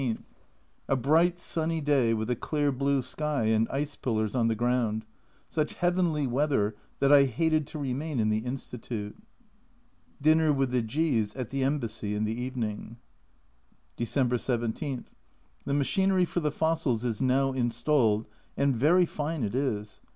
A bright sunny day with a clear blue sky and ice pillars on the ground such heavenly weather that I hated to remain in the Institute. Dinner with the G s at the Embassy in the evening. December 17. The machinery for the fossils is now installed and very fine it is.